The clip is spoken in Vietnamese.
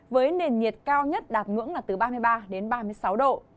với nền nhiệt cao nhất đạt ngưỡng là từ ba mươi ba đến ba mươi sáu độ